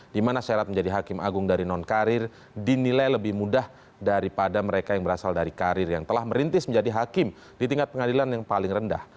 di mana syarat menjadi hakim agung dari non karir dinilai lebih mudah daripada mereka yang berasal dari karir yang telah merintis menjadi hakim di tingkat pengadilan yang paling rendah